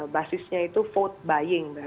basisnya itu vote buying